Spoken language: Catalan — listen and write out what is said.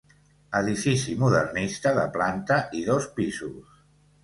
Edifici modernista de planta i dos pisos.